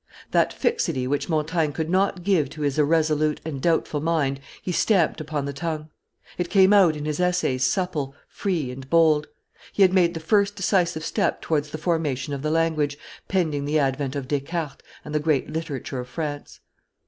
That fixity which Montaigne could not give to his irresolute and doubtful mind he stamped upon the tongue; it came out in his Essays supple, free, and bold; he had made the first decisive step towards the formation of the language, pending the advent of Descartes and the great literature of France.